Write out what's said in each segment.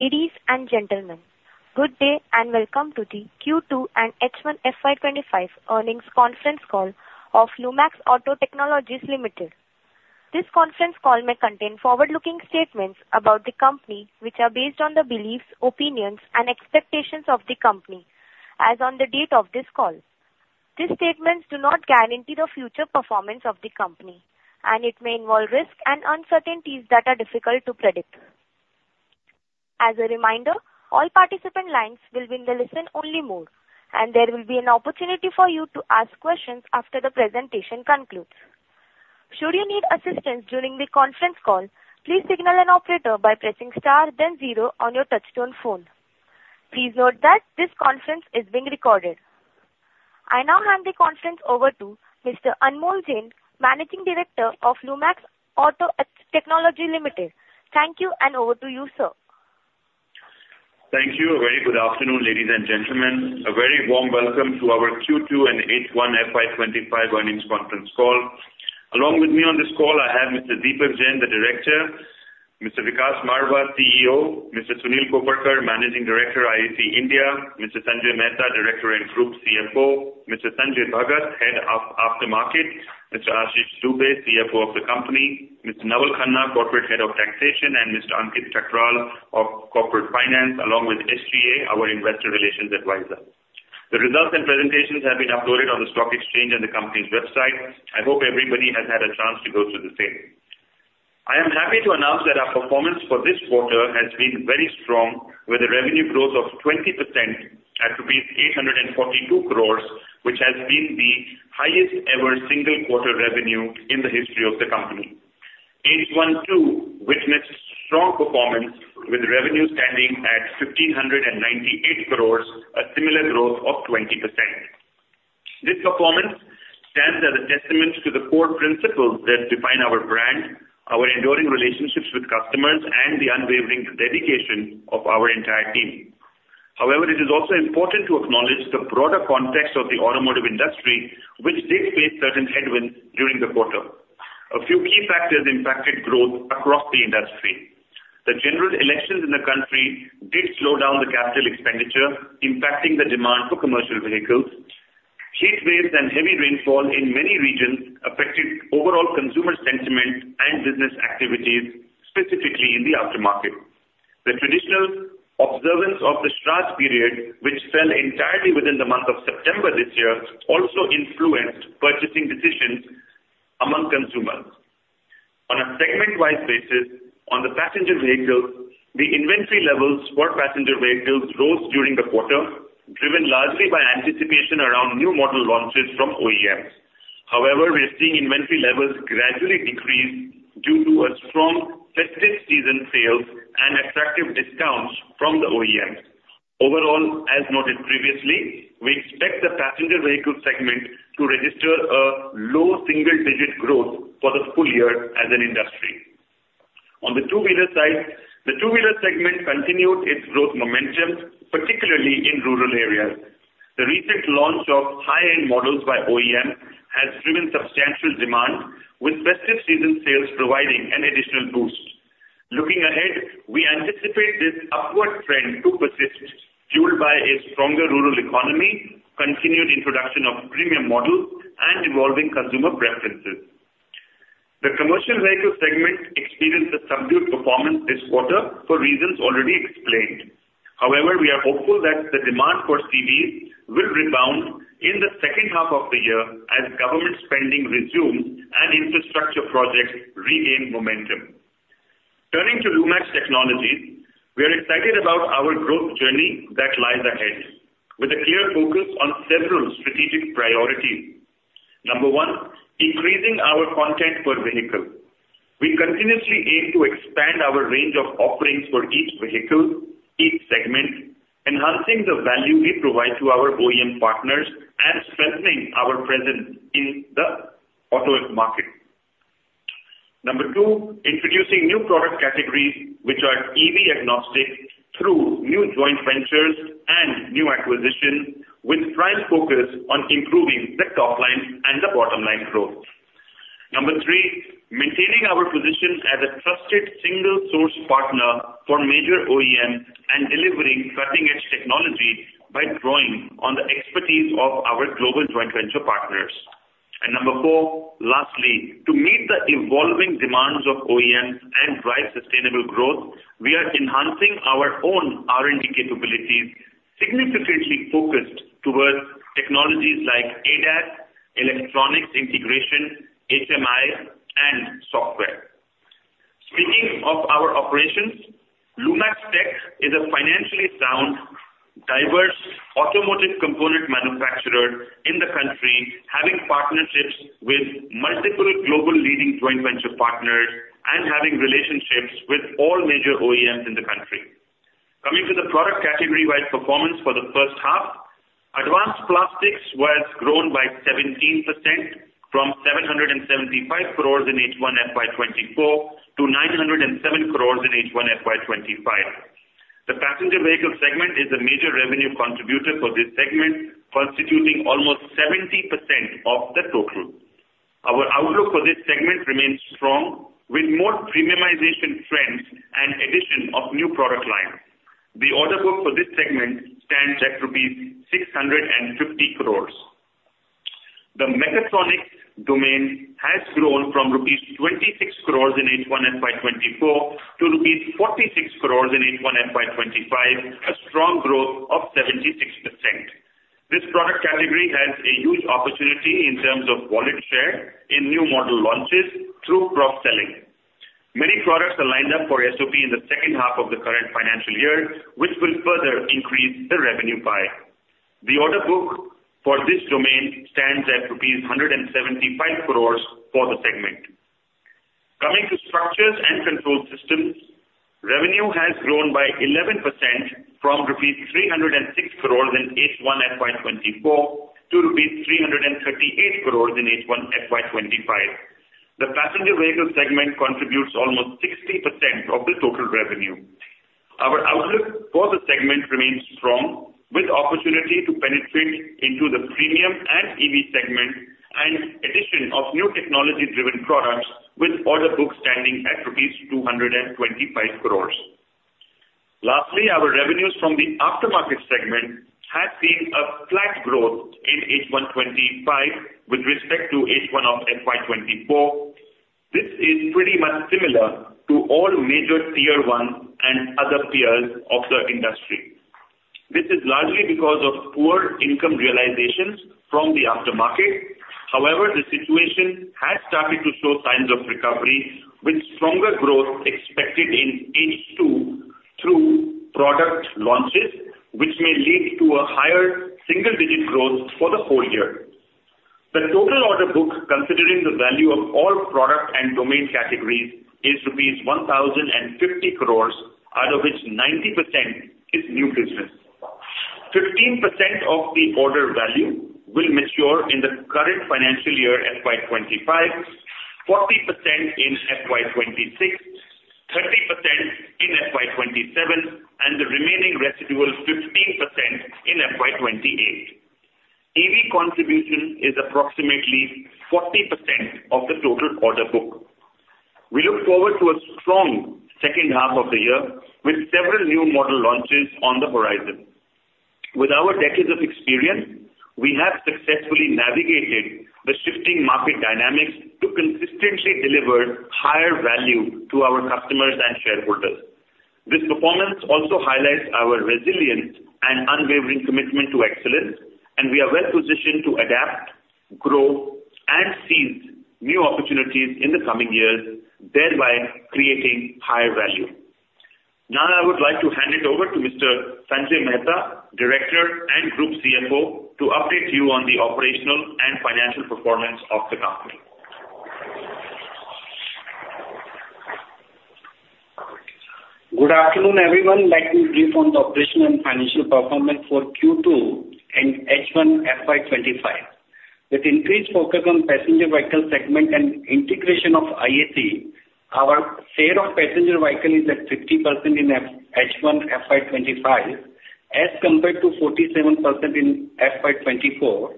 Ladies and gentlemen, good day and welcome to the Q2 and H1FY25 Earnings Conference Call of Lumax Auto Technologies Limited. This conference call may contain forward-looking statements about the company, which are based on the beliefs, opinions, and expectations of the company as on the date of this call. These statements do not guarantee the future performance of the company, and it may involve risks and uncertainties that are difficult to predict. As a reminder, all participant lines will be in the listen-only mode, and there will be an opportunity for you to ask questions after the presentation concludes. Should you need assistance during the conference call, please signal an operator by pressing star, then zero on your touch-tone phone. Please note that this conference is being recorded. I now hand the conference over to Mr. Anmol Jain, Managing Director of Lumax Auto Technologies Limited. Thank you, and over to you, sir. Thank you. A very good afternoon, ladies and gentlemen. A very warm welcome to our Q2 and H1FY25 Earnings Conference Call. Along with me on this call, I have Mr. Deepak Jain, the Director, Mr. Vikas Marwah, CEO, Mr. Sunil Koparkar, Managing Director, IAC India, Mr. Sanjay Mehta, Director and Group CFO, Mr. Sanjay Bhagat, Head of Aftermarket, Mr. Ashish Dubey, CFO of the company, Mr. Naval Khanna, Corporate Head of Taxation, and Mr. Ankit Chankrah of Corporate Finance, along with SGA, our Investor Relations Advisor. The results and presentations have been uploaded on the stock exchange and the company's website. I hope everybody has had a chance to go through the same. I am happy to announce that our performance for this quarter has been very strong, with a revenue growth of 20% at 842 crores, which has been the highest-ever single-quarter revenue in the history of the company. H1 witnessed strong performance, with revenue standing at 1,598 crores, a similar growth of 20%. This performance stands as a testament to the core principles that define our brand, our enduring relationships with customers, and the unwavering dedication of our entire team. However, it is also important to acknowledge the broader context of the automotive industry, which did face certain headwinds during the quarter. A few key factors impacted growth across the industry. The general elections in the country did slow down the capital expenditure, impacting the demand for commercial vehicles. Heat waves and heavy rainfall in many regions affected overall consumer sentiment and business activities, specifically in the aftermarket. The traditional observance of the Shraddha period, which fell entirely within the month of September this year, also influenced purchasing decisions among consumers. On a segment-wide basis, on the passenger vehicles, the inventory levels for passenger vehicles rose during the quarter, driven largely by anticipation around new model launches from OEMs. However, we are seeing inventory levels gradually decrease due to strong festive season sales and attractive discounts from the OEMs. Overall, as noted previously, we expect the passenger vehicle segment to register a low single-digit growth for the full year as an industry. On the two-wheeler side, the two-wheeler segment continued its growth momentum, particularly in rural areas. The recent launch of high-end models by OEMs has driven substantial demand, with festive season sales providing an additional boost. Looking ahead, we anticipate this upward trend to persist, fueled by a stronger rural economy, continued introduction of premium models, and evolving consumer preferences. The commercial vehicle segment experienced a subdued performance this quarter for reasons already explained. However, we are hopeful that the demand for CVs will rebound in the second half of the year as government spending resumes and infrastructure projects regain momentum. Turning to Lumax Auto Technologies, we are excited about our growth journey that lies ahead, with a clear focus on several strategic priorities. Number one, increasing our content per vehicle. We continuously aim to expand our range of offerings for each vehicle, each segment, enhancing the value we provide to our OEM partners and strengthening our presence in the auto market. Number two, introducing new product categories, which are EV-agnostic, through new joint ventures and new acquisitions, with prime focus on improving the top line and the bottom line growth. Number three, maintaining our position as a trusted single-source partner for major OEMs and delivering cutting-edge technology by drawing on the expertise of our global joint venture partners. Number four, lastly, to meet the evolving demands of OEMs and drive sustainable growth, we are enhancing our own R&D capabilities, significantly focused towards technologies like ADAS, electronics integration, HMI, and software. Speaking of our operations, Lumax Tech is a financially sound, diverse automotive component manufacturer in the country, having partnerships with multiple global leading joint venture partners and having relationships with all major OEMs in the country. Coming to the product category-wide performance for the first half, Advanced Plastics was grown by 17% from 775 crores in H1FY24 to 907 crores in H1FY25. The passenger vehicle segment is a major revenue contributor for this segment, constituting almost 70% of the total. Our outlook for this segment remains strong, with more premiumization trends and addition of new product lines. The order book for this segment stands at rupees 650 crores. The mechatronics domain has grown from rupees 26 crores in H1FY24 to rupees 46 crores in H1FY25, a strong growth of 76%. This product category has a huge opportunity in terms of wallet share in new model launches through cross-selling. Many products are lined up for SOP in the second half of the current financial year, which will further increase the revenue pie. The order book for this domain stands at rupees 175 crores for the segment. Coming to structures and control systems, revenue has grown by 11% from rupees 306 crores in H1FY24 to rupees 338 crores in H1FY25. The passenger vehicle segment contributes almost 60% of the total revenue. Our outlook for the segment remains strong, with opportunity to penetrate into the premium and EV segment and addition of new technology-driven products, with order book standing at rupees 225 crores. Lastly, our revenues from the aftermarket segment have seen a flat growth in H125 with respect to H1FY24. This is pretty much similar to all major tier one and other peers of the industry. This is largely because of poor income realizations from the aftermarket. However, the situation has started to show signs of recovery, with stronger growth expected in H2 through product launches, which may lead to a higher single-digit growth for the full year. The total order book, considering the value of all product and domain categories, is rupees 1,050 crores, out of which 90% is new business. 15% of the order value will mature in the current financial year FY25, 40% in FY26, 30% in FY27, and the remaining residual 15% in FY28. EV contribution is approximately 40% of the total order book. We look forward to a strong second half of the year, with several new model launches on the horizon. With our decades of experience, we have successfully navigated the shifting market dynamics to consistently deliver higher value to our customers and shareholders. This performance also highlights our resilience and unwavering commitment to excellence, and we are well-positioned to adapt, grow, and seize new opportunities in the coming years, thereby creating higher value. Now, I would like to hand it over to Mr. Sanjay Mehta, Director and Group CFO, to update you on the operational and financial performance of the company. Good afternoon, everyone. Let me brief on the operational and financial performance for Q2 and H1FY25. With increased focus on passenger vehicle segment and integration of IAC, our share of passenger vehicle is at 50% in H1FY25 as compared to 47% in FY24.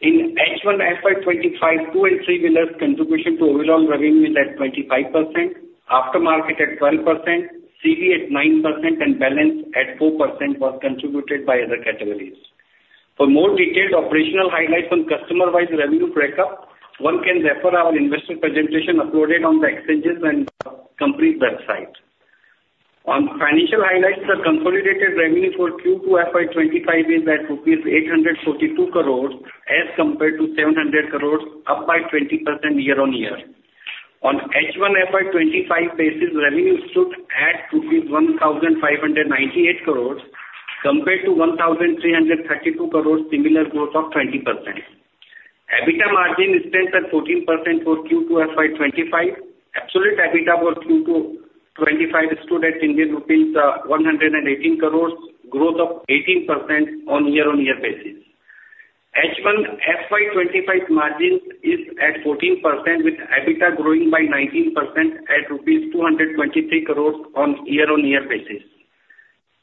In H1FY25, two and three-wheelers contribution to overall revenue is at 25%, aftermarket at 12%, CV at 9%, and balance at 4% was contributed by other categories. For more detailed operational highlights on customer-wise revenue breakup, one can refer our investor presentation uploaded on the exchanges and the company's website. On financial highlights, the consolidated revenue for Q2 FY25 is at rupees 842 crores as compared to 700 crores, up by 20% year-on-year. On H1FY25 basis, revenue stood at rupees 1,598 crores compared to 1,332 crores, similar growth of 20%. EBITDA margin stands at 14% for Q2 FY25. Absolute EBITDA for Q2 25 stood at Indian rupees 118 crores, growth of 18% on year-on-year basis. H1FY25 margin is at 14%, with EBITDA growing by 19% at rupees 223 crores on year-on-year basis.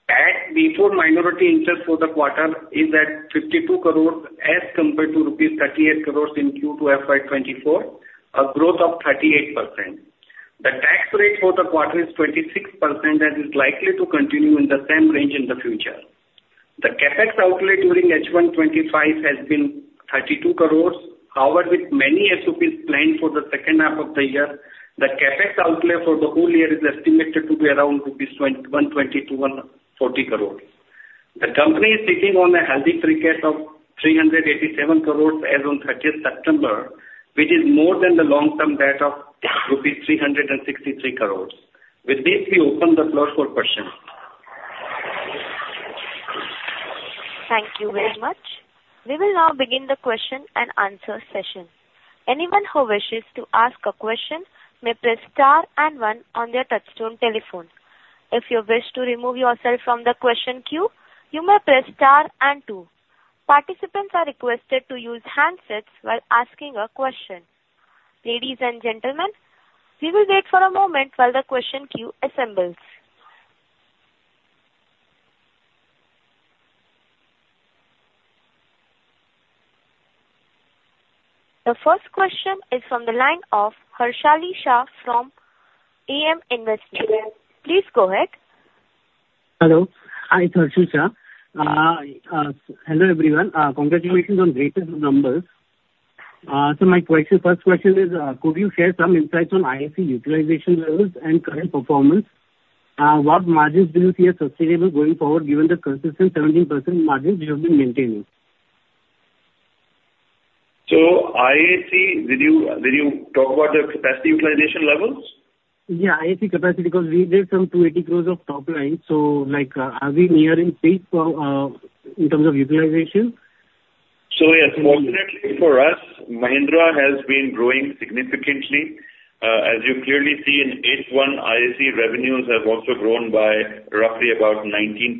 PAT before minority interest for the quarter is at 52 crores as compared to rupees 38 crores in Q2 FY24, a growth of 38%. The tax rate for the quarter is 26% and is likely to continue in the same range in the future. The CapEx outlay during H125 has been 32 crores. However, with many SOPs planned for the second half of the year, the CapEx outlay for the whole year is estimated to be around 120-140 crores rupees. The company is sitting on a healthy credit of 387 crores as of 30 September, which is more than the long-term debt of rupees 363 crores. With this, we open the floor for questions. Thank you very much. We will now begin the question and answer session. Anyone who wishes to ask a question may press star and one on their touch-tone telephone. If you wish to remove yourself from the question queue, you may press star and two. Participants are requested to use handsets while asking a question. Ladies and gentlemen, we will wait for a moment while the question queue assembles. The first question is from the line of Harshil Shah from AM Investment. Please go ahead. Hello. I'm Hershali Shah. Hello everyone. Congratulations on great numbers. So my first question is, could you share some insights on IAC utilization levels and current performance? What margins do you see as sustainable going forward, given the consistent 17% margins you have been maintaining? So IAC, did you talk about the capacity utilization levels? Yeah, IAC capacity, because we did some 280 crores of top line. So are we nearing peak in terms of utilization? So yes, fortunately for us, Mahindra has been growing significantly. As you clearly see, in H1, IAC revenues have also grown by roughly about 19%.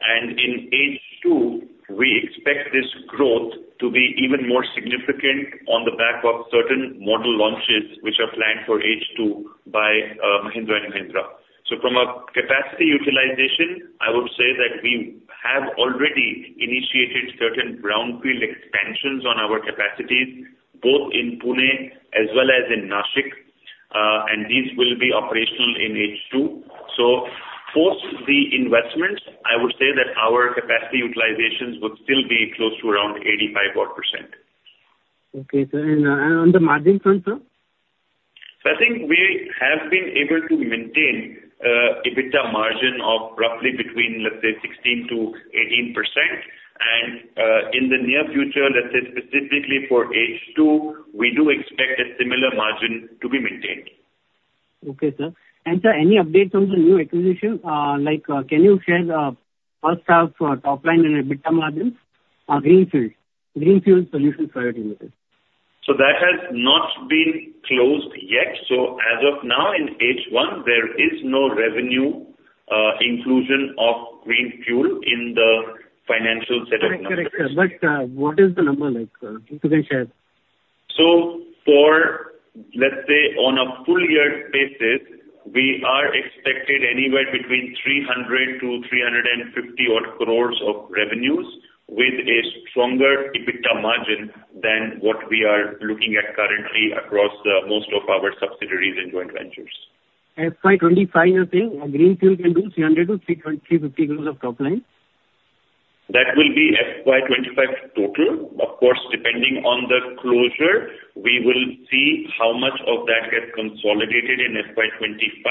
And in H2, we expect this growth to be even more significant on the back of certain model launches which are planned for H2 by Mahindra and Mahindra. So from a capacity utilization, I would say that we have already initiated certain brownfield expansions on our capacities, both in Pune as well as in Nashik. And these will be operational in H2. So post the investments, I would say that our capacity utilizations would still be close to around 85%. Okay. And on the margin front, sir? I think we have been able to maintain EBITDA margin of roughly between, let's say, 16%-18%. In the near future, let's say specifically for H2, we do expect a similar margin to be maintained. Okay, sir. And sir, any updates on the new acquisition? Can you share first half top line and EBITDA margins? Green Fuel Solutions Private Limited. So that has not been closed yet. So as of now, in H1, there is no revenue inclusion of Green Fuel in the financial set of numbers. But what is the number? If you can share. So let's say on a full year basis, we are expected anywhere between 300 to 350 crores of revenues with a stronger EBITDA margin than what we are looking at currently across most of our subsidiaries and joint ventures. FY25, you're saying Green Fuel can do 300-350 crores of top line? That will be FY25 total. Of course, depending on the closure, we will see how much of that gets consolidated in FY25.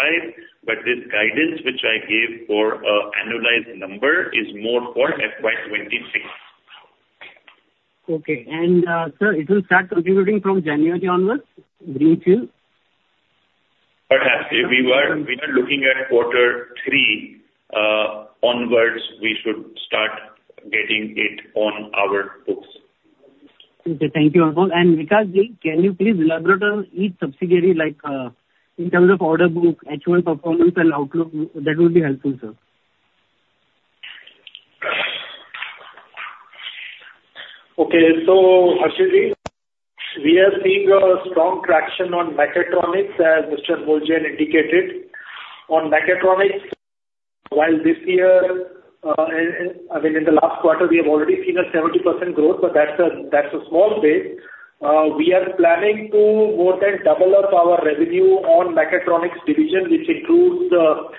But this guidance, which I gave for annualized number, is more for FY26. Okay. And sir, it will start contributing from January onwards, Green Fuel? Perhaps. If we are looking at quarter three onwards, we should start getting it on our books. Okay. Thank you all, and Vikas Ji, can you please elaborate on each subsidiary in terms of order book, actual performance and outlook? That would be helpful, sir. Okay. So Hershali Ji, we are seeing a strong traction on mechatronics, as Mr. Bhuljeyan indicated. On mechatronics, while this year, I mean, in the last quarter, we have already seen a 70% growth, but that's a small base. We are planning to more than double up our revenue on mechatronics division, which includes the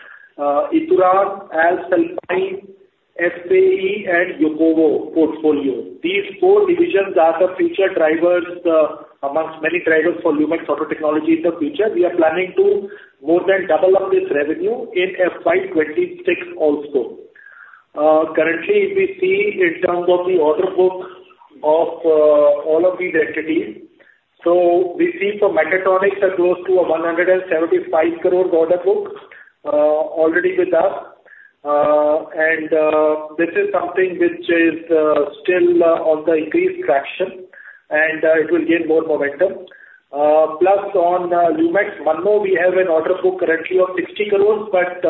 Ituran, Alps-Alpine, FAE, and Yokowo portfolio. These four divisions are the future drivers amongst many drivers for Lumax Auto Technologies in the future. We are planning to more than double up this revenue in FY26 also. Currently, we see in terms of the order book of all of these entities. So we see for mechatronics, close to a 175 crore order book already with us. And this is something which is still on the increased traction, and it will gain more momentum. Plus, on Lumax Mannoh, we have an order book currently of 60 crores, but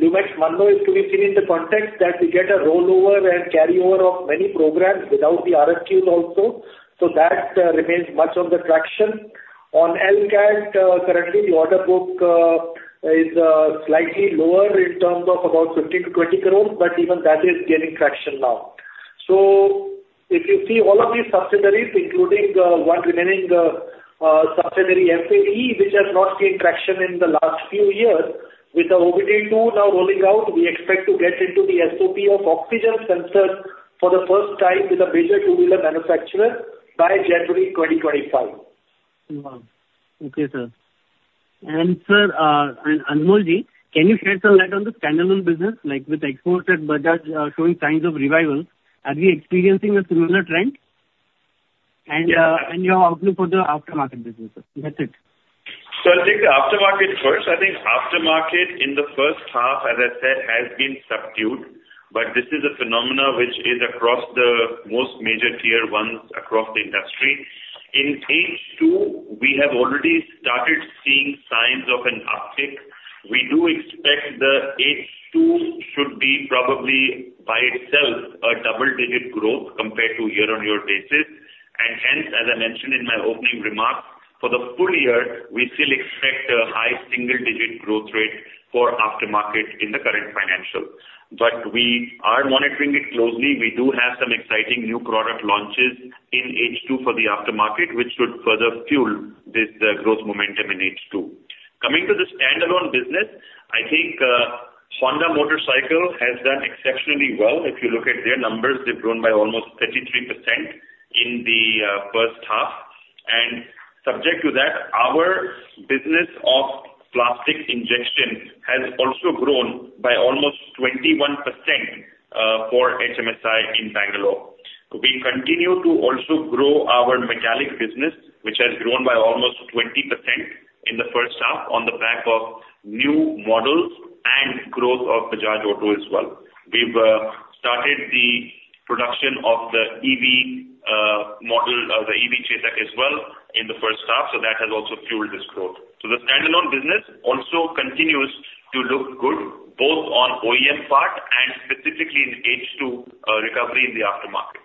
Lumax Mannoh is to be seen in the context that we get a rollover and carryover of many programs without the RFQs also. So that remains much of the traction. On LCAT, currently, the order book is slightly lower in terms of about 15-20 crores, but even that is gaining traction now. So if you see all of these subsidiaries, including one remaining subsidiary, SAE, which has not seen traction in the last few years, with the OBD2 now rolling out, we expect to get into the SOP of oxygen sensors for the first time with a major two-wheeler manufacturer by January 2025. Okay, sir. And sir, Anmol Ji, can you share some light on the standalone business? With exports at Bajaj showing signs of revival, are we experiencing a similar trend? And your outlook for the aftermarket business? That's it. I think the aftermarket first. I think aftermarket in the first half, as I said, has been subdued. But this is a phenomenon which is across the most major Tier 1s across the industry. In H2, we have already started seeing signs of an uptick. We do expect the H2 should be probably by itself a double-digit growth compared to year-on-year basis. And hence, as I mentioned in my opening remarks, for the full year, we still expect a high single-digit growth rate for aftermarket in the current financial. But we are monitoring it closely. We do have some exciting new product launches in H2 for the aftermarket, which should further fuel this growth momentum in H2. Coming to the standalone business, I think Honda Motorcycle has done exceptionally well. If you look at their numbers, they've grown by almost 33% in the first half. Subject to that, our business of plastic injection has also grown by almost 21% for HMSI in Bangalore. We continue to also grow our metallic business, which has grown by almost 20% in the first half on the back of new models and growth of Bajaj Auto as well. We've started the production of the EV model, the EV Chetak as well in the first half. So that has also fueled this growth. So the standalone business also continues to look good, both on OEM part and specifically in H2 recovery in the aftermarket.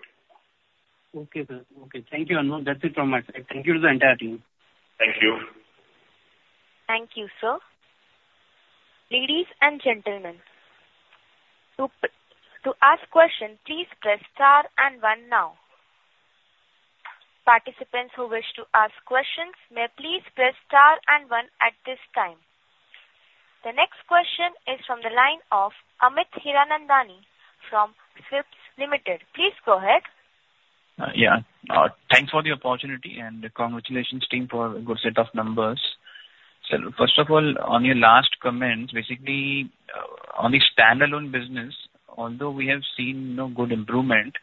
Okay, sir. Okay. Thank you, Anmol. That's it from my side. Thank you to the entire team. Thank you. Thank you, sir. Ladies and gentlemen, to ask questions, please press star and one now. Participants who wish to ask questions may please press star and one at this time. The next question is from the line of Amit Hiranandani from SMIFS Limited. Please go ahead. Yeah. Thanks for the opportunity and congratulations, team, for a good set of numbers. So first of all, on your last comment, basically on the standalone business, although we have seen no good improvement,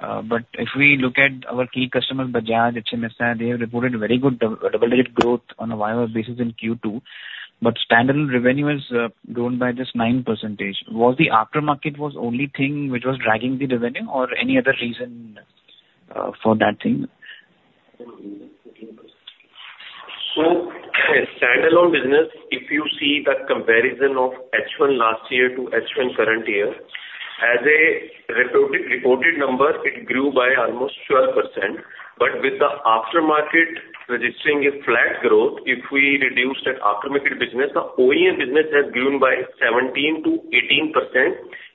but if we look at our key customers, Bajaj, HMSI, they have reported very good double-digit growth on a volume basis in Q2. But standalone revenue has grown by just 9%. Was the aftermarket the only thing which was dragging the revenue or any other reason for that thing? Standalone business, if you see that comparison of H1 last year to H1 current year, as a reported number, it grew by almost 12%. But with the aftermarket registering a flat growth, if we reduce that aftermarket business, the OEM business has grown by 17%-18%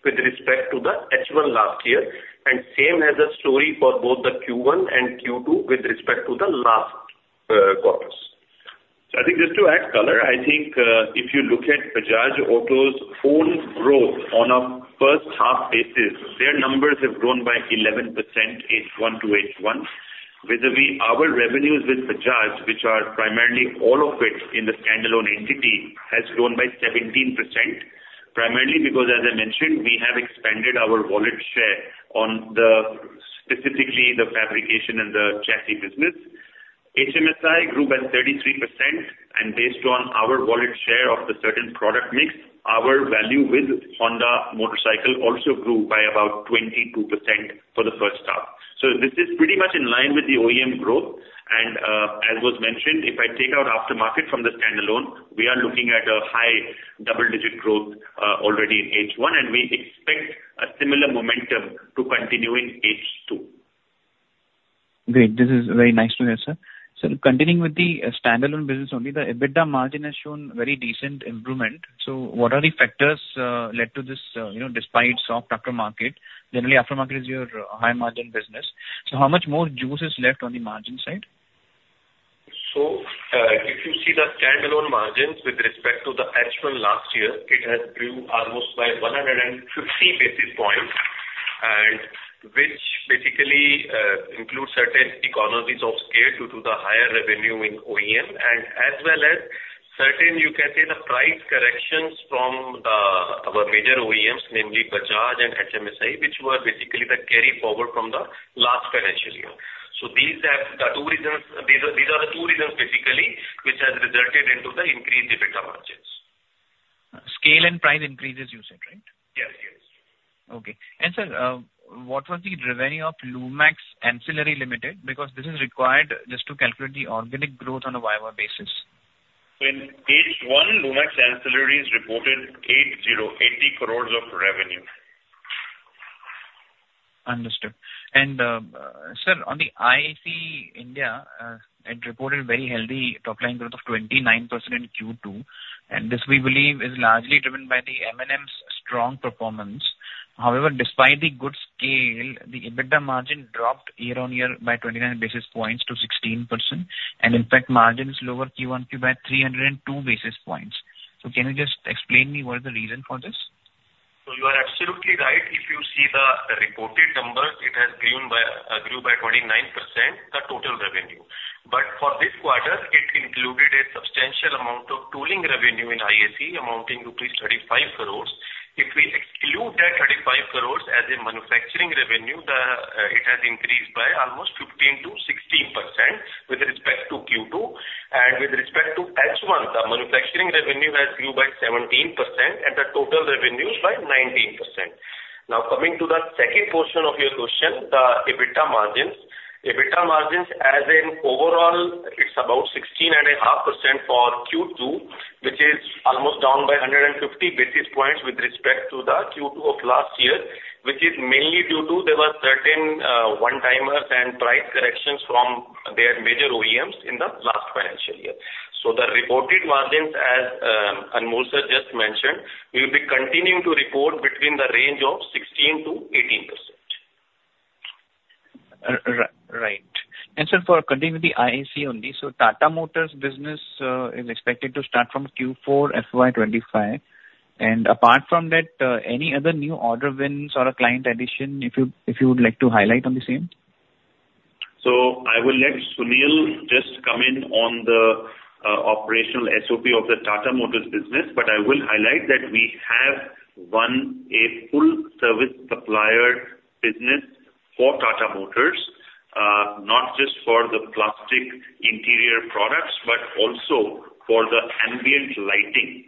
with respect to the H1 last year. The same is the story for both the Q1 and Q2 with respect to the last quarters. I think just to add color, if you look at Bajaj Auto's full growth on a first half basis, their numbers have grown by 11% H1 to H1. By the way, our revenues with Bajaj, which are primarily all of it in the standalone entity, have grown by 17%, primarily because, as I mentioned, we have expanded our wallet share on specifically the fabrication and the chassis business. HMSI grew by 33%. Based on our wallet share of the certain product mix, our value with Honda Motorcycle also grew by about 22% for the first half. This is pretty much in line with the OEM growth. As was mentioned, if I take out aftermarket from the standalone, we are looking at a high double-digit growth already in H1, and we expect a similar momentum to continue in H2. Great. This is very nice to hear, sir. So continuing with the standalone business only, the EBITDA margin has shown very decent improvement. So what are the factors that led to this despite soft aftermarket? Generally, aftermarket is your high-margin business. So how much more juice is left on the margin side? If you see the standalone margins with respect to the H1 last year, it has grew almost by 150 basis points, which basically includes certain economies of scale due to the higher revenue in OEM, and as well as certain, you can say, the price corrections from our major OEMs, namely Bajaj and HMSI, which were basically the carryover from the last financial year. These are the two reasons basically which have resulted in the increased EBITDA margins. Scale and price increases, you said, right? Yes. Yes. Okay. And sir, what was the revenue of Lumax Ancillary Limited? Because this is required just to calculate the organic growth on a viable basis. So in H1, Lumax Ancillary has reported 80 crores of revenue. Understood, and sir, on the IAC India, it reported very healthy top line growth of 29% in Q2, and this we believe is largely driven by the M&M's strong performance. However, despite the good scale, the EBITDA margin dropped year-on-year by 29 basis points to 16%, and in fact, margin is lower Q1, Q2 by 302 basis points. So can you just explain to me what is the reason for this? You are absolutely right. If you see the reported numbers, it has grown by 29%, the total revenue. But for this quarter, it included a substantial amount of tooling revenue in IAC, amounting to rupees 35 crores. If we exclude that 35 crores as a manufacturing revenue, it has increased by almost 15%-16% with respect to Q2. And with respect to H1, the manufacturing revenue has grown by 17% and the total revenues by 19%. Now, coming to the second portion of your question, the EBITDA margins, EBITDA margins as an overall, it's about 16.5% for Q2, which is almost down by 150 basis points with respect to the Q2 of last year, which is mainly due to there were certain one-timers and price corrections from their major OEMs in the last financial year. The reported margins, as Anmol Sir just mentioned, will be continuing to report between the range of 16% to 18%. Right. And sir, for continuing with the IAC only, so Tata Motors business is expected to start from Q4 FY25. And apart from that, any other new order wins or a client addition if you would like to highlight on the same? I will let Sunil just come in on the operational SOP of the Tata Motors business. I will highlight that we have won a full-service supplier business for Tata Motors, not just for the plastic interior products, but also for the ambient lighting.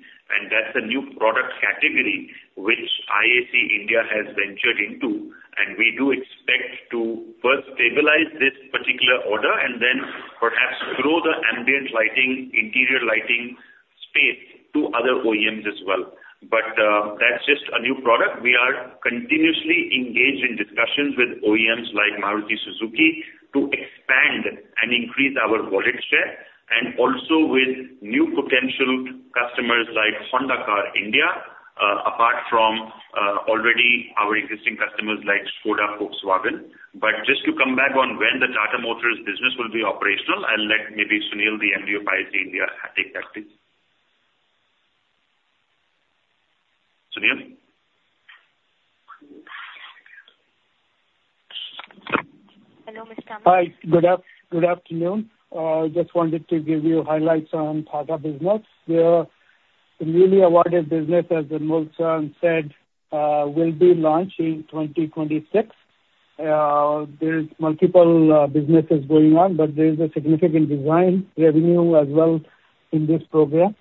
That's a new product category which IAC India has ventured into. We do expect to first stabilize this particular order and then perhaps grow the ambient lighting, interior lighting space to other OEMs as well. That's just a new product. We are continuously engaged in discussions with OEMs like Maruti Suzuki to expand and increase our wallet share. We are also engaged with new potential customers like Honda Cars India, apart from our existing customers like Skoda Volkswagen. But just to come back on when the Tata Motors business will be operational, I'll let maybe Sunil, the MD of IAC India, take that please. Sunil? Hello, Mr. Hi. Good afternoon. I just wanted to give you highlights on Tata business. The newly awarded business, as Anmol sir said, will be launched in 2026. There are multiple businesses going on, but there is a significant design revenue as well in this program.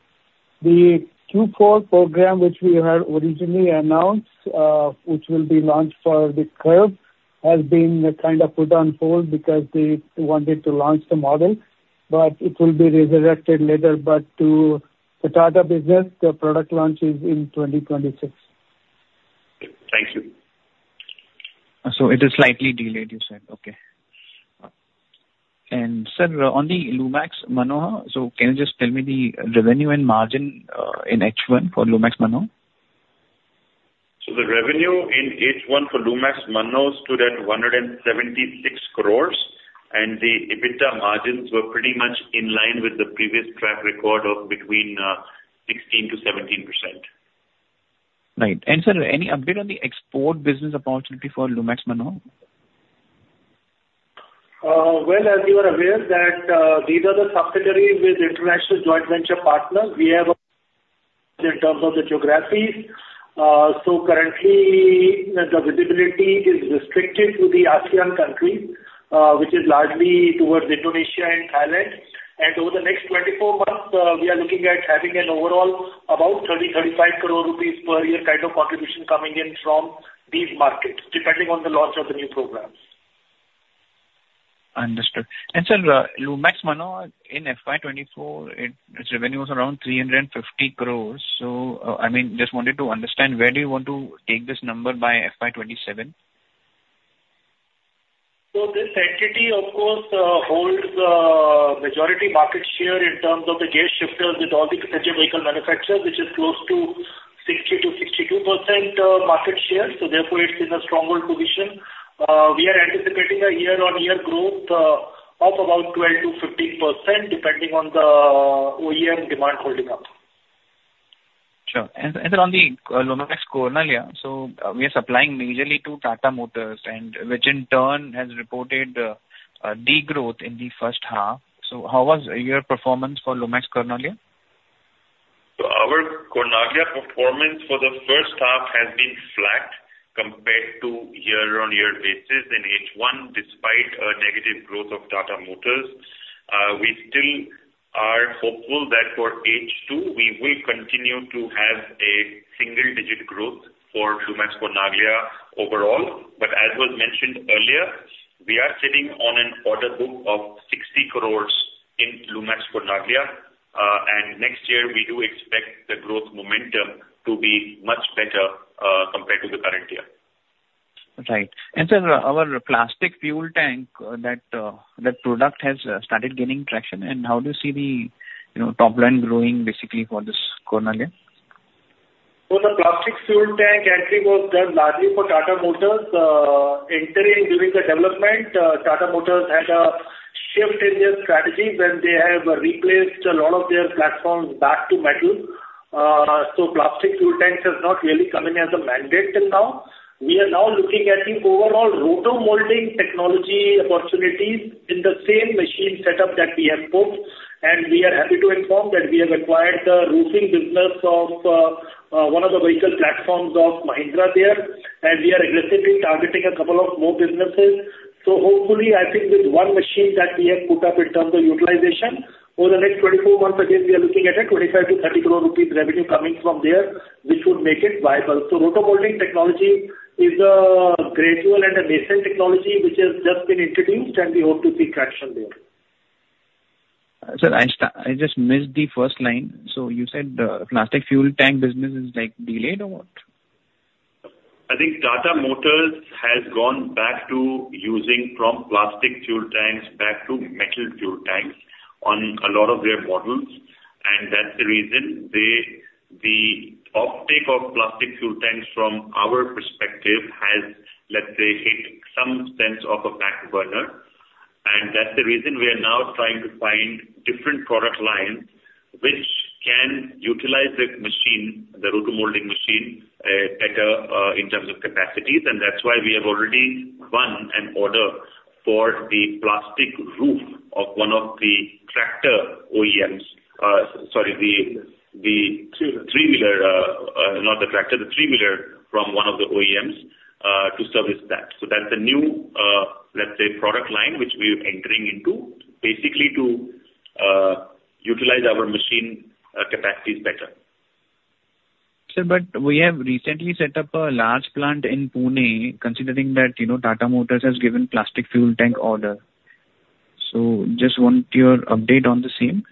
The Q4 program, which we had originally announced, which will be launched for the Curvv, has been kind of put on hold because they wanted to launch the model, but it will be resurrected later, but to the Tata business, the product launch is in 2026. Thank you. It is slightly delayed, you said. Okay. Sir, on the Lumax Mano, so can you just tell me the revenue and margin in H1 for Lumax Mano? The revenue in H1 for Lumax Mano stood at 176 crores. The EBITDA margins were pretty much in line with the previous track record of between 16%-17%. Right. And sir, any update on the export business opportunity for Lumax Mano? As you are aware, these are the subsidiaries with international joint venture partners. We have, in terms of the geographies. Currently, the visibility is restricted to the ASEAN countries, which is largely towards Indonesia and Thailand. Over the next 24 months, we are looking at having an overall about 30-35 crore rupees per year kind of contribution coming in from these markets, depending on the launch of the new programs. Understood. And sir, Lumax Mano in FY24, its revenue was around 350 crores. So I mean, just wanted to understand, where do you want to take this number by FY27? So this entity, of course, holds the majority market share in terms of the gear shifters with all the potential vehicle manufacturers, which is close to 60%-62% market share. So therefore, it's in a stronger position. We are anticipating a year-on-year growth of about 12%-15%, depending on the OEM demand holding up. Sure. And sir, on the Lumax Cornaglia, so we are supplying majorly to Tata Motors, which in turn has reported a degrowth in the first half. So how was your performance for Lumax Cornaglia? Our Cornelia performance for the first half has been flat compared to year-on-year basis in H1, despite a negative growth of Tata Motors. We still are hopeful that for H2, we will continue to have a single-digit growth for Lumax Cornelia overall. As was mentioned earlier, we are sitting on an order book of 60 crores in Lumax Cornelia. Next year, we do expect the growth momentum to be much better compared to the current year. Right. And sir, our plastic fuel tank, that product has started gaining traction. And how do you see the top line growing basically for this Cornelia? The plastic fuel tank entry was done largely for Tata Motors. Entering during the development, Tata Motors had a shift in their strategy when they have replaced a lot of their platforms back to metal. Plastic fuel tanks have not really come in as a mandate till now. We are now looking at the overall roto-molding technology opportunities in the same machine setup that we have put. We are happy to inform that we have acquired the roofing business of one of the vehicle platforms of Mahindra there. We are aggressively targeting a couple of more businesses. Hopefully, I think with one machine that we have put up in terms of utilization, over the next 24 months, again, we are looking at 25-30 crore rupees revenue coming from there, which would make it viable. Roto-molding technology is a gradual and a nascent technology, which has just been introduced, and we hope to see traction there. Sir, I just missed the first line. So you said the plastic fuel tank business is delayed or what? I think Tata Motors has gone back to using plastic fuel tanks back to metal fuel tanks on a lot of their models, and that's the reason the uptake of plastic fuel tanks from our perspective has, let's say, hit some sense of a back burner. And that's the reason we are now trying to find different product lines which can utilize the machine, the roto-molding machine, better in terms of capacity, and that's why we have already won an order for the plastic roof of one of the tractor OEMs. Sorry, the three-wheeler, not the tractor, the three-wheeler from one of the OEMs to service that. So that's the new, let's say, product line which we are entering into, basically to utilize our machine capacities better. Sir, but we have recently set up a large plant in Pune, considering that Tata Motors has given plastic fuel tank order. So just want your update on the same.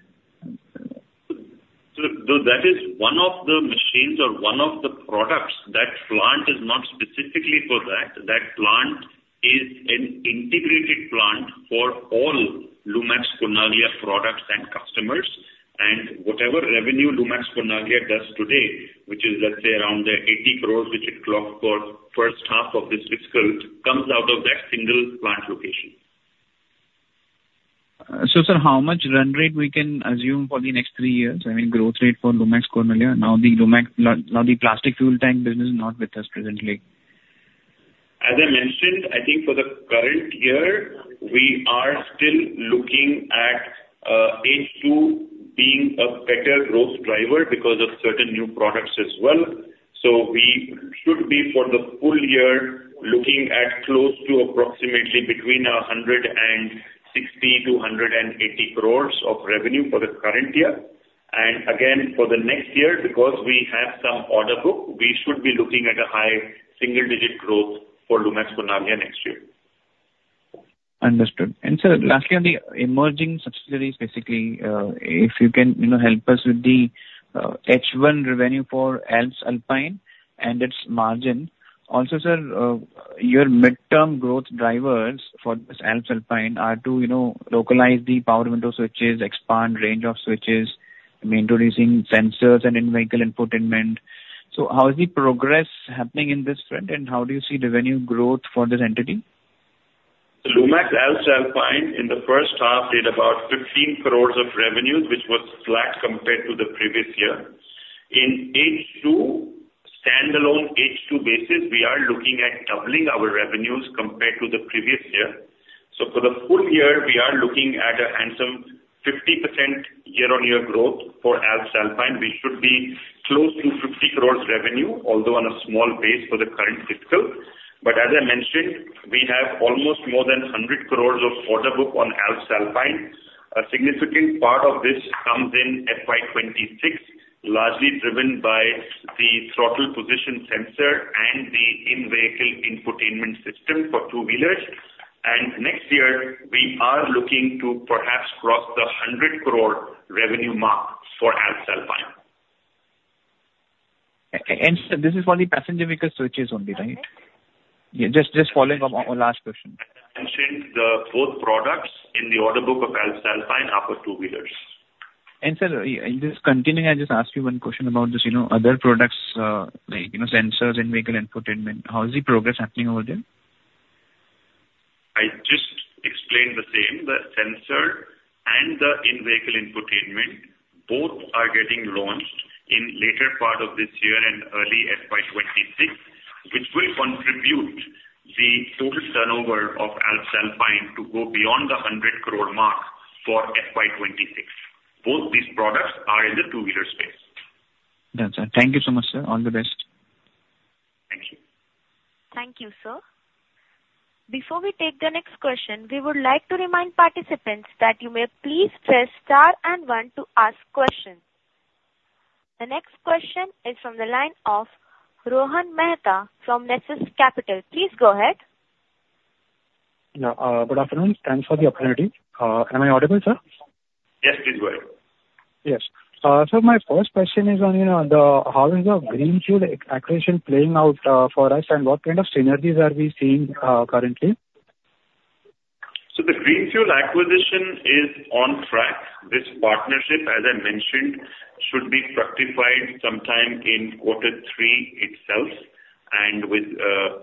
So that is one of the machines or one of the products. That plant is not specifically for that. That plant is an integrated plant for all Lumax Cornelia products and customers. And whatever revenue Lumax Cornelia does today, which is, let's say, around the 80 crores which it clocked for the first half of this fiscal, comes out of that single plant location. Sir, how much run rate we can assume for the next three years? I mean, growth rate for Lumax Cornaglia. Now, the plastic fuel tank business is not with us presently. As I mentioned, I think for the current year, we are still looking at H2 being a better growth driver because of certain new products as well. So we should be for the full year looking at close to approximately between 160-180 crores of revenue for the current year. And again, for the next year, because we have some order book, we should be looking at a high single-digit growth for Lumax Cornaglia next year. Understood. And sir, lastly, on the emerging subsidiaries, basically, if you can help us with the H1 revenue for Alps Alpine and its margin? Also, sir, your midterm growth drivers for this Alps Alpine are to localize the power window switches, expand range of switches, introducing sensors and in-vehicle infotainment in mind. So how is the progress happening in this front? And how do you see revenue growth for this entity? Lumax Alps Alpine, in the first half, did about 15 crores of revenue, which was flat compared to the previous year. In H2, standalone H2 basis, we are looking at doubling our revenues compared to the previous year. For the full year, we are looking at a handsome 50% year-on-year growth for Alps Alpine. We should be close to 50 crores revenue, although on a small base for the current fiscal. As I mentioned, we have almost more than 100 crores of order book on Alps Alpine. A significant part of this comes in FY26, largely driven by the throttle position sensor and the in-vehicle infotainment system for two-wheelers. Next year, we are looking to perhaps cross the 100 crore revenue mark for Alps Alpine. Sir, this is for the passenger vehicle switches only, right? Just following up on our last question. As I mentioned, both products in the order book of Alps Alpine are for two-wheelers. Sir, in this continuing, I just asked you one question about these other products, like sensors and vehicle infotainment. How is the progress happening over there? I just explained the same. The sensor and the in-vehicle infotainment both are getting launched in the later part of this year and early FY26, which will contribute to the total turnover of Alps Alpine to go beyond the 100 crore mark for FY26. Both these products are in the two-wheeler space. That's it. Thank you so much, sir. All the best. Thank you. Thank you, sir. Before we take the next question, we would like to remind participants that you may please press star and one to ask questions. The next question is from the line of Rohan Mehta from Nexus Capital. Please go ahead. Good afternoon. Thanks for the opportunity. Am I audible, sir? Yes, please go ahead. Yes, sir, my first question is on how the greenfield acquisition is playing out for us and what kind of synergies are we seeing currently? The greenfield acquisition is on track. This partnership, as I mentioned, should be fructified sometime in quarter three itself and with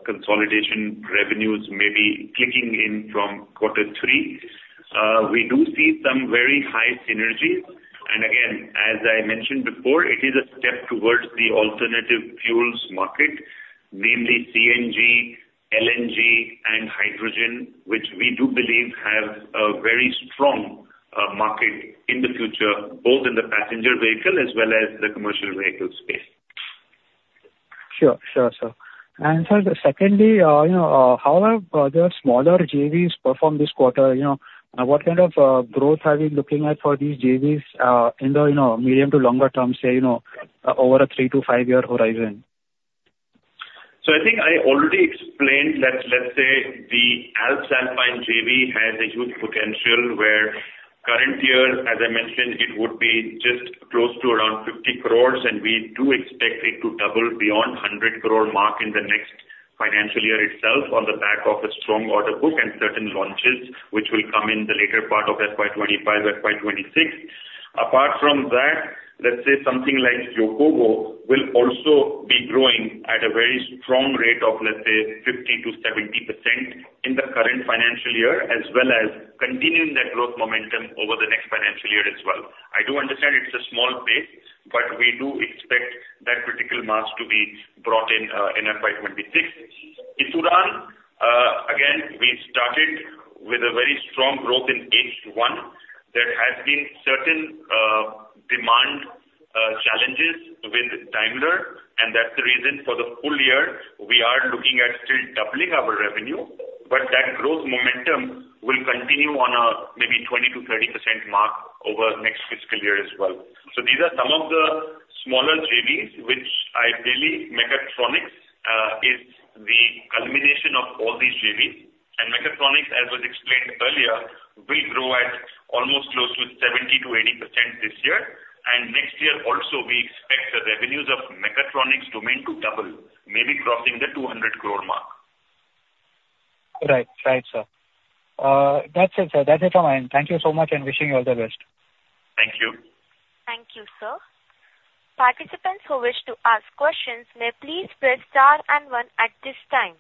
consolidation revenues maybe clicking in from quarter three. We do see some very high synergies. And again, as I mentioned before, it is a step towards the alternative fuels market, namely CNG, LNG, and hydrogen, which we do believe have a very strong market in the future, both in the passenger vehicle as well as the commercial vehicle space. Sure, sure, sir, and sir, secondly, how have the smaller JVs performed this quarter? What kind of growth are we looking at for these JVs in the medium to longer term, say, over a three to five-year horizon? I think I already explained, let's say, the Alps Alpine JV has a huge potential where current year, as I mentioned, it would be just close to around 50 crores. We do expect it to double beyond the 100 crore mark in the next financial year itself on the back of a strong order book and certain launches which will come in the later part of FY25, FY26. Apart from that, let's say something like Yokomo will also be growing at a very strong rate of, let's say, 50%-70% in the current financial year, as well as continuing that growth momentum over the next financial year as well. I do understand it's a small base, but we do expect that critical mass to be brought in in FY26. Ithuran, again, we started with a very strong growth in H1. There has been certain demand challenges with Daimler, and that's the reason for the full year, we are looking at still doubling our revenue. But that growth momentum will continue on a maybe 20%-30% mark over the next fiscal year as well. So these are some of the smaller JVs, which I believe Mechatronics is the culmination of all these JVs. And Mechatronics, as was explained earlier, will grow at almost close to 70%-80% this year. And next year, also, we expect the revenues of Mechatronics domain to double, maybe crossing the 200 crore mark. Right, right, sir. That's it, sir. That's it from mine. Thank you so much and wishing you all the best. Thank you. Thank you, sir. Participants who wish to ask questions, may please press star and one at this time.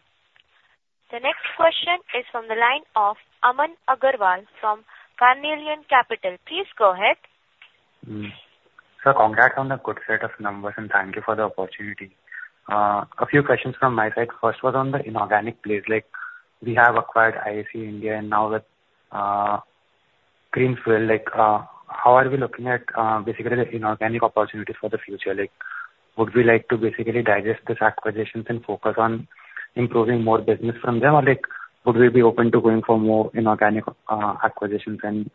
The next question is from the line of Aman Agarwal from Carnelian Capital. Please go ahead. Sir, congrats on the good set of numbers, and thank you for the opportunity. A few questions from my side. First was on the inorganic space. We have acquired IAC India, and now with Greenfuel, how are we looking at basically the inorganic opportunities for the future? Would we like to basically digest these acquisitions and focus on improving more business from them? Or would we be open to going for more inorganic acquisitions and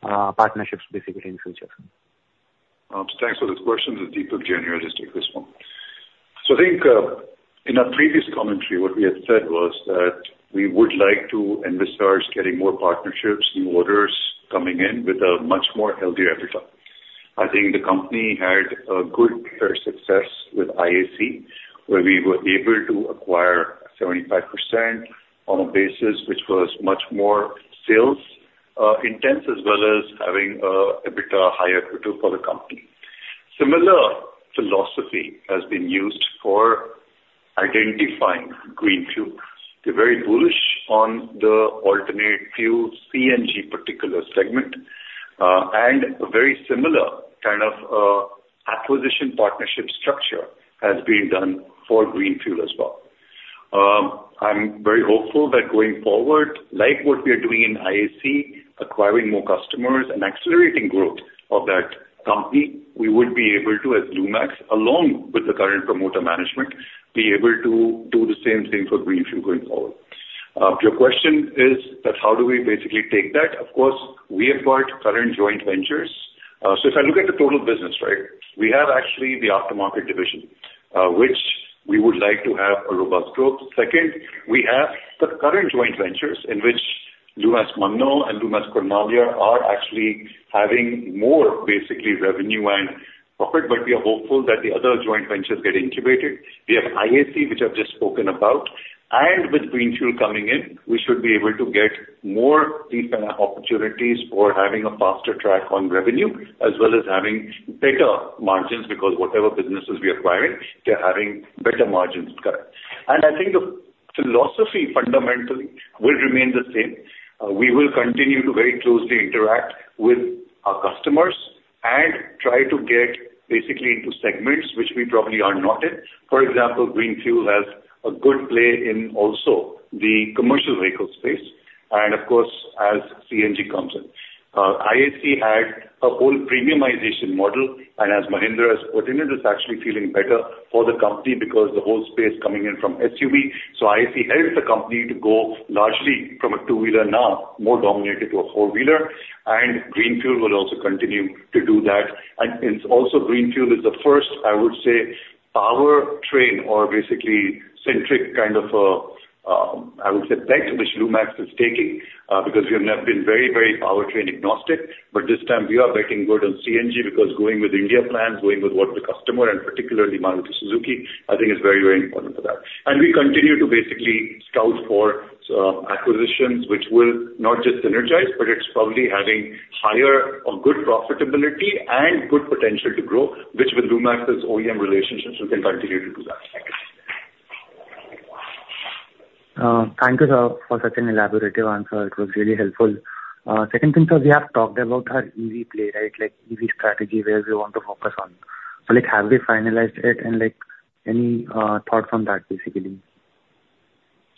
partnerships basically in the future? Thanks for the question. The deeper journey I just take this one. So I think in our previous commentary, what we had said was that we would like to envisage getting more partnerships, new orders coming in with a much more healthy EBITDA. I think the company had a good success with IAC, where we were able to acquire 75% on a basis which was much more sales intense as well as having a bit higher EBITDA for the company. Similar philosophy has been used for identifying Greenfuel. They're very bullish on the alternate fuel, CNG particular segment, and a very similar kind of acquisition partnership structure has been done for Greenfuel as well. I'm very hopeful that going forward, like what we are doing in IAC, acquiring more customers and accelerating growth of that company, we would be able to, as Lumax, along with the current promoter management, be able to do the same thing for Green Fuel going forward. Your question is that how do we basically take that? Of course, we have got current joint ventures. So if I look at the total business, right, we have actually the aftermarket division, which we would like to have a robust growth. Second, we have the current joint ventures in which Lumax Mano and Lumax Cornelia are actually having more basically revenue and profit. But we are hopeful that the other joint ventures get incubated. We have IAC, which I've just spoken about. With Green Fuel coming in, we should be able to get more these kind of opportunities for having a faster track on revenue as well as having better margins because whatever businesses we are acquiring, they're having better margins currently. I think the philosophy fundamentally will remain the same. We will continue to very closely interact with our customers and try to get basically into segments which we probably are not in. For example, Green Fuel has a good play in also the commercial vehicle space. Of course, as CNG comes in, IAC had a whole premiumization model. As Mahindra has put in it, it's actually feeling better for the company because the whole space coming in from SUV. IAC helped the company to go largely from a two-wheeler now more dominated to a four-wheeler. Green Fuel will also continue to do that. And also, greenfield is the first, I would say, powertrain or basically centric kind of, I would say, bet which Lumax is taking because we have never been very, very powertrain agnostic. But this time, we are betting big on CNG because going with India's plans, going with what the customer and particularly Suzuki, I think is very, very important for that. And we continue to basically scout for acquisitions which will not just synergize, but it's probably having higher or good profitability and good potential to grow, which with Lumax's OEM relationships, we can continue to do that. Thank you for such an elaborate answer. It was really helpful. Second thing, sir, we have talked about our EV play, right, like EV strategy where we want to focus on. So have we finalized it? And any thoughts on that basically?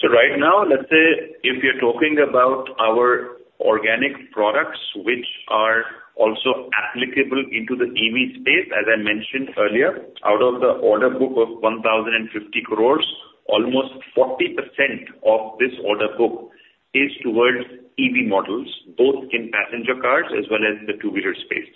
So right now, let's say if we are talking about our organic products, which are also applicable into the EV space, as I mentioned earlier, out of the order book of 1,050 crores, almost 40% of this order book is towards EV models, both in passenger cars as well as the two-wheeler space.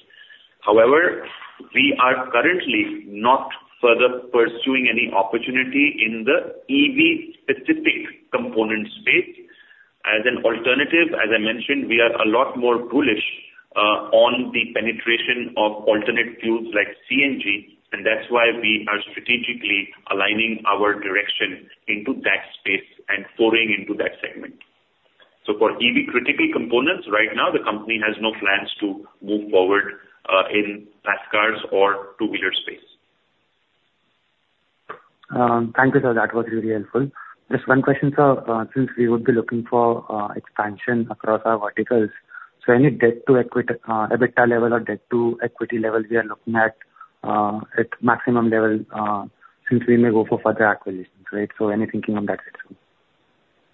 However, we are currently not further pursuing any opportunity in the EV-specific component space. As an alternative, as I mentioned, we are a lot more bullish on the penetration of alternate fuels like CNG, and that's why we are strategically aligning our direction into that space and pouring into that segment, so for EV critical components, right now, the company has no plans to move forward in passenger cars or two-wheeler space. Thank you, sir. That was really helpful. Just one question, sir, since we would be looking for expansion across our verticals, so any debt to EBITDA level or debt to equity level we are looking at maximum level since we may go for further acquisitions, right? So any thinking on that, sir?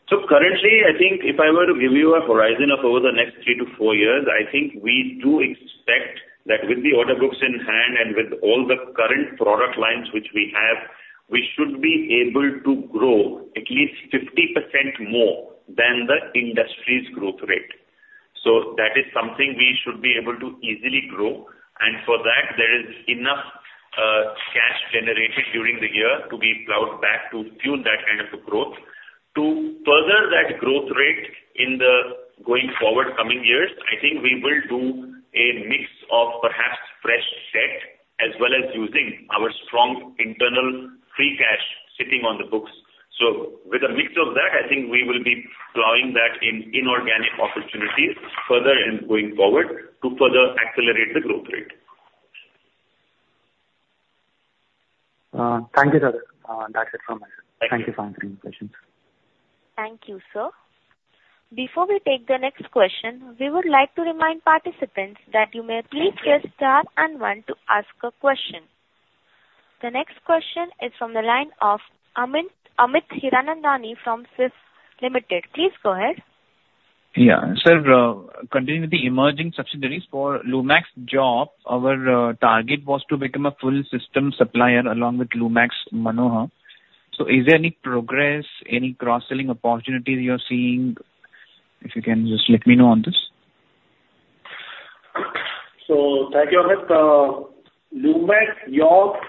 So currently, I think if I were to give you a horizon of over the next three to four years, I think we do expect that with the order books in hand and with all the current product lines which we have, we should be able to grow at least 50% more than the industry's growth rate. So that is something we should be able to easily grow. And for that, there is enough cash generated during the year to be plowed back to fuel that kind of growth. To further that growth rate in the going forward coming years, I think we will do a mix of perhaps fresh debt as well as using our strong internal free cash sitting on the books. So with a mix of that, I think we will be plowing that in inorganic opportunities further and going forward to further accelerate the growth rate. Thank you, sir. That's it from me. Thank you for answering my questions. Thank you, sir. Before we take the next question, we would like to remind participants that you may please press star and one to ask a question. The next question is from the line of Amit Hiranandani from SMIFS Limited. Please go ahead. Yeah. Sir, continuing with the emerging subsidiaries for Lumax Jopp, our target was to become a full system supplier along with Lumax Mano. So is there any progress, any cross-selling opportunities you're seeing? If you can, just let me know on this. Thank you, Amit. Lumax JOPP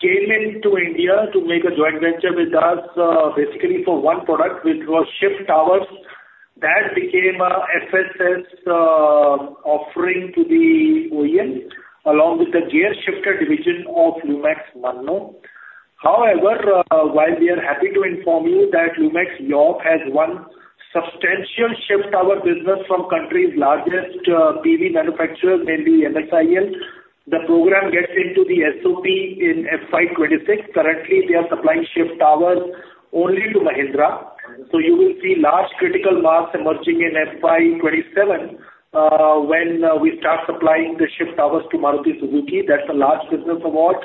came into India to make a joint venture with us basically for one product, which was shift towers. That became an FSS offering to the OEM along with the gear shifter division of Lumax Mano. However, while we are happy to inform you that Lumax JOPP has won substantial shift tower business from country's largest PV manufacturers, mainly MSIL. The program gets into the SOP in FY26. Currently, they are supplying shift towers only to Mahindra. You will see large critical mass emerging in FY27 when we start supplying the shift towers to Maruti Suzuki. That's a large business award.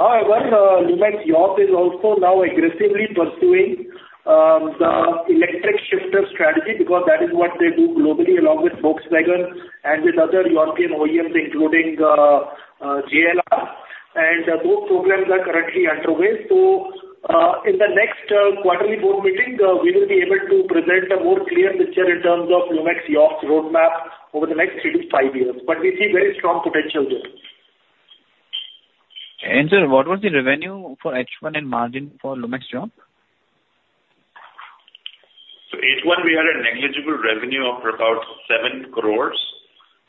However, Lumax JOPP is also now aggressively pursuing the electric shifter strategy because that is what they do globally along with Volkswagen and with other European OEMs, including JLR. Those programs are currently underway. In the next quarterly board meeting, we will be able to present a more clear picture in terms of Lumax Jopp's roadmap over the next three-to-five years. We see very strong potential there. Sir, what was the revenue for H1 and margin for Lumax Jopp? H1, we had a negligible revenue of about seven crores,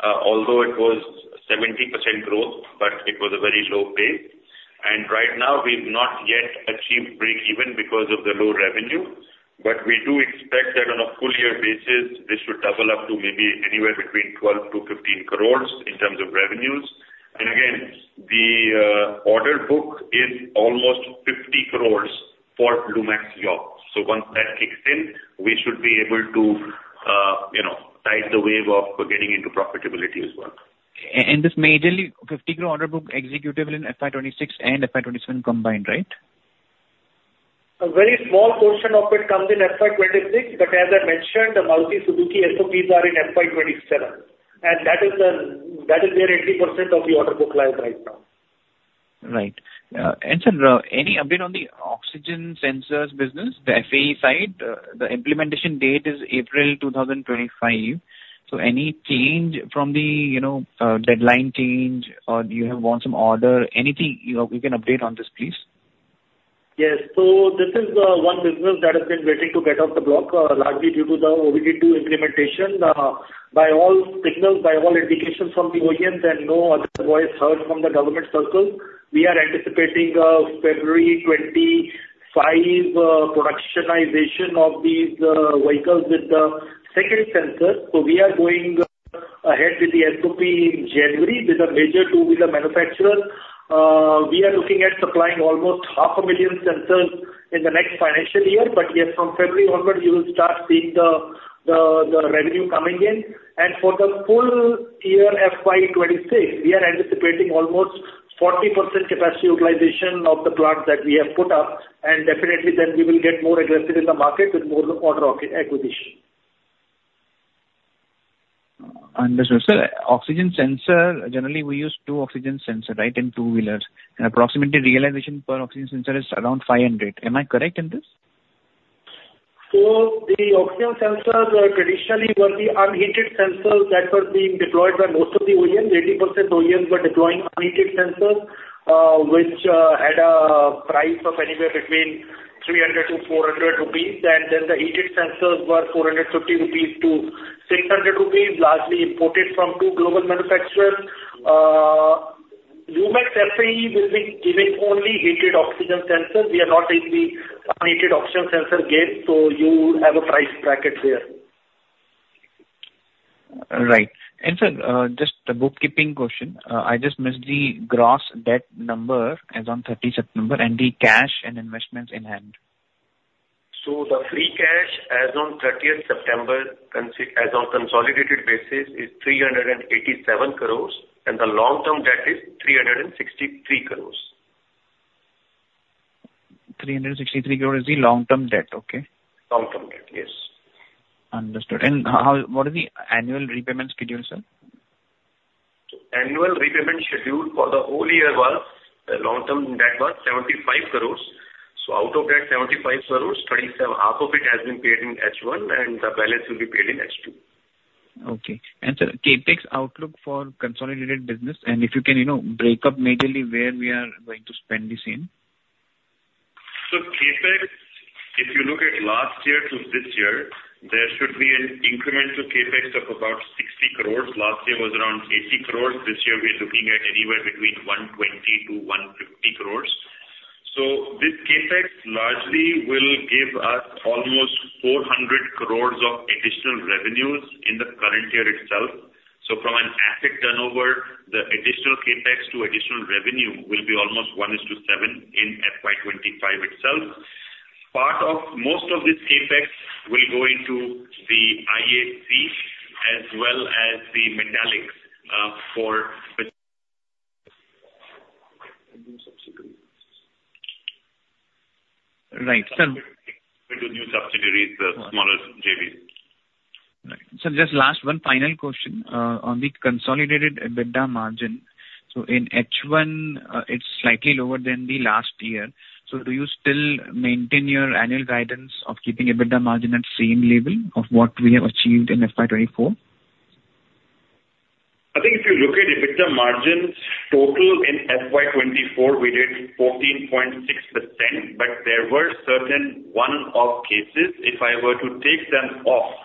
although it was 70% growth, but it was a very low pace. Right now, we've not yet achieved break-even because of the low revenue. We do expect that on a full-year basis, this should double up to maybe anywhere between 12 to 15 crores in terms of revenues. Again, the order book is almost 50 crores for Lumax JOPP. Once that kicks in, we should be able to tide the wave of getting into profitability as well. majorly 50 crore order book executable in FY26 and FY27 combined, right? A very small portion of it comes in FY26, but as I mentioned, the Maruti Suzuki SOPs are in FY27, and that is their 80% of the order book live right now. Right. And sir, any update on the oxygen sensors business, the FAE side? The implementation date is April 2025. So any change from the deadline change or you have won some order? Anything you can update on this, please? Yes. So this is one business that has been waiting to get off the block largely due to the OBD2 implementation. By all signals, by all indications from the OEMs, and no other voice heard from the government circles, we are anticipating February 25 productionization of these vehicles with the second sensor. So we are going ahead with the SOP in January with a major two-wheeler manufacturer. We are looking at supplying almost 500,000 sensors in the next financial year. But yes, from February onward, you will start seeing the revenue coming in. And for the full year FY26, we are anticipating almost 40% capacity utilization of the plants that we have put up. And definitely, then we will get more aggressive in the market with more order acquisition. Understood. Sir, oxygen sensor, generally, we use two oxygen sensors, right, in two-wheelers, and approximately realization per oxygen sensor is around 500. Am I correct in this? So the oxygen sensors traditionally were the unheated sensors that were being deployed by most of the OEMs. 80% OEMs were deploying unheated sensors, which had a price of anywhere between 300-400 rupees. And then the heated sensors were 450-600 rupees, largely imported from two global manufacturers. Lumax FAE will be giving only heated oxygen sensors. We are not in the unheated oxygen sensor game. So you have a price bracket there. Right, and sir, just the bookkeeping question. I just missed the gross debt number as on 30 September and the cash and investments in hand. The free cash as on 30 September, as on consolidated basis, is 387 crores, and the long-term debt is 363 crores. 363 crores is the long-term debt, okay? Long-term debt, yes. Understood. And what is the annual repayment schedule, sir? Annual repayment schedule for the whole year was the long-term debt was 75 crores. Out of that 75 crores, 37, half of it has been paid in H1, and the balance will be paid in H2. Okay. And sir, CapEx outlook for consolidated business? And if you can break up majorly where we are going to spend this in. CapEx, if you look at last year to this year, there should be an incremental CapEx of about 60 crores. Last year was around 80 crores. This year, we're looking at anywhere between 120 to 150 crores. This CapEx largely will give us almost 400 crores of additional revenues in the current year itself. From an asset turnover, the additional CapEx to additional revenue will be almost 1:7 in FY25 itself. Part of most of this CapEx will go into the IAC as well as the Metallics for. Right. So. Into new subsidiaries, the smaller JVs. Right. So just last one final question. On the consolidated EBITDA margin, so in H1, it's slightly lower than the last year. So do you still maintain your annual guidance of keeping EBITDA margin at same level of what we have achieved in FY 2024? I think if you look at EBITDA margins, total in FY24, we did 14.6%, but there were certain one-off cases. If I were to take them off,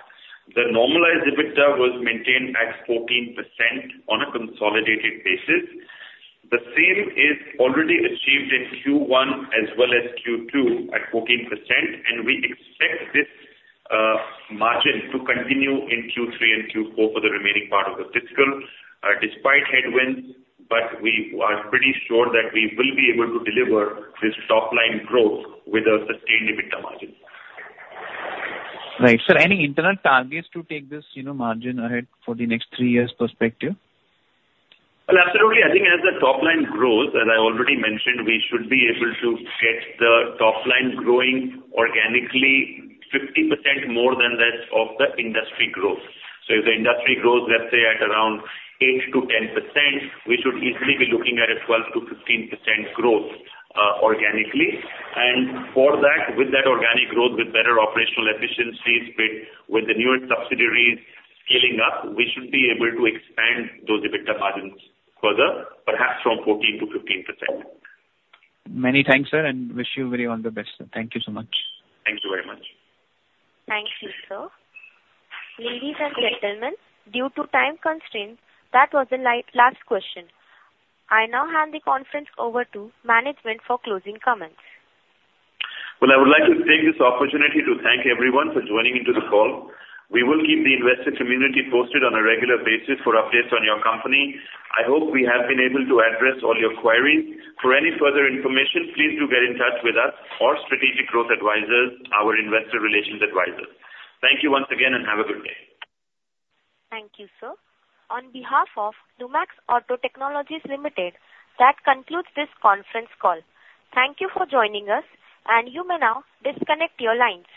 the normalized EBITDA was maintained at 14% on a consolidated basis. The same is already achieved in Q1 as well as Q2 at 14%. And we expect this margin to continue in Q3 and Q4 for the remaining part of the fiscal despite headwinds. But we are pretty sure that we will be able to deliver this top-line growth with a sustained EBITDA margin. Right. Sir, any internal targets to take this margin ahead for the next three years' perspective? Absolutely. I think as the top-line grows, as I already mentioned, we should be able to get the top-line growing organically 50% more than that of the industry growth. If the industry grows, let's say, at around 8%-10%, we should easily be looking at a 12%-15% growth organically. For that, with that organic growth, with better operational efficiencies, with the newer subsidiaries scaling up, we should be able to expand those EBITDA margins further, perhaps from 14%-15%. Many thanks, sir, and wish you very all the best. Thank you so much. Thank you very much. Thank you, sir. Ladies and gentlemen, due to time constraints, that was the last question. I now hand the conference over to management for closing comments. I would like to take this opportunity to thank everyone for joining into the call. We will keep the investor community posted on a regular basis for updates on your company. I hope we have been able to address all your queries. For any further information, please do get in touch with us or Strategic Growth Advisors, our investor relations advisors. Thank you once again, and have a good day. Thank you, sir. On behalf of Lumax Auto Technologies Limited, that concludes this conference call. Thank you for joining us, and you may now disconnect your lines.